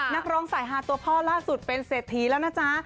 นักร้องสายฮาตัวพ่อล่าสุดเป็นเศรษฐีแล้วนะจ๊ะ